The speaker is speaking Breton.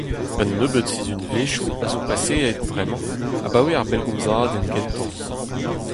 Un nebeud sizhunvezhioù a zo paseet bremañ abaoe ar bellgomzadenn gentañ.